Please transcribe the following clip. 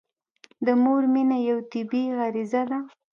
د مور مینه یوه طبیعي غريزه ده.